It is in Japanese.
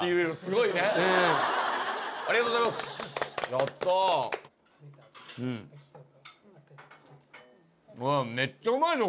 やったうんめっちゃうまいっしょ